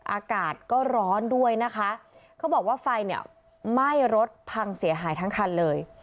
อากาศก็ร้อนด้วยนะคะเขาบอกว่าไฟเนี่ยไหม้รถพังเสียหายทั้งคันเลย